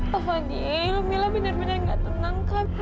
taufanil mila benar benar tidak tenang kak